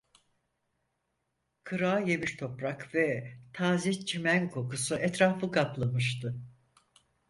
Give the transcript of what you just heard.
Kırağı yemiş toprak ve taze çimen kokusu etrafı kaplamıştı.